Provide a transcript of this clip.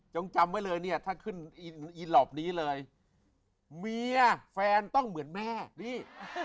จำไว้เลยเนี่ยถ้าขึ้นอีหลอปนี้เลยเมียแฟนต้องเหมือนแม่นี่